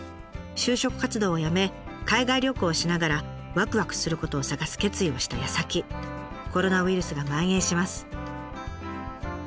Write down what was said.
就職活動をやめ海外旅行をしながらワクワクすることを探す決意をしたやさきコロナウイルスがまん延します。